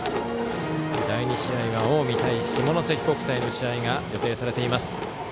第２試合は近江対下関国際の試合が予定されています。